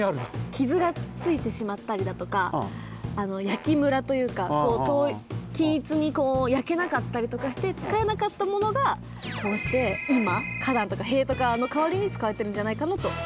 きずがついてしまったりだとかあの焼きむらというかこう均一にこう焼けなかったりとかして使えなかったものがこうしていまかだんとかへいとかのかわりに使われているんじゃないかなとおもわれます。